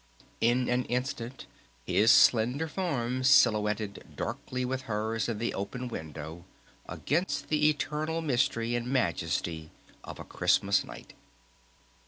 In an instant his slender form silhouetted darkly with hers in the open window against the eternal mystery and majesty of a Christmas night.